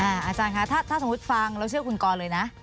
อาจารย์คะถ้าสมมุติฟังแล้วเชื่อคุณกรเลยนะ